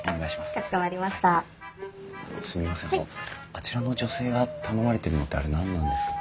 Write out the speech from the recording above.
あちらの女性が頼まれてるのってあれ何なんですか？